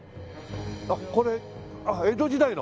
あっこれ江戸時代の？